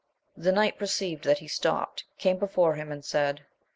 The knight perceiving that he stopt, came before him and said, 1\.